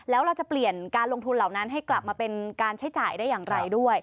แล้วเราจะเปลี่ยนการลงทุนเหล่านั้นให้กลับมาเป็นการใช้จ่ายได้อย่างไรด้วย